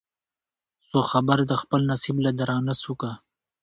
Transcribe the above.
سو خبر د خپل نصیب له درانه سوکه